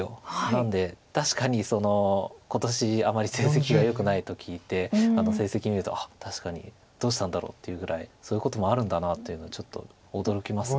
なので確かにその今年あまり成績がよくないと聞いて成績見ると「あっ確かにどうしたんだろう」っていうぐらい「そういうこともあるんだな」というのをちょっと驚きます。